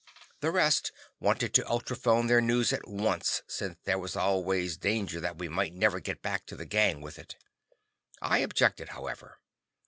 The rest wanted to ultrophone their news at once, since there was always danger that we might never get back to the gang with it. I objected, however.